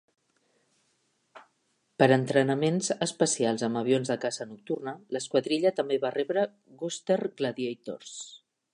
Per a entrenaments especials amb avions de caça nocturna, l'esquadrilla també va rebre Goster Gladiators.